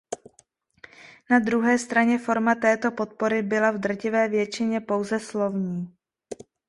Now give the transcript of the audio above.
Na druhé straně forma této podpory byla v drtivé většině pouze slovní.